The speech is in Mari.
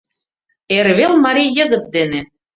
Эрвелмарий йыгыт дене.